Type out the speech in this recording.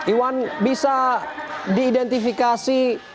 iwan bisa diidentifikasi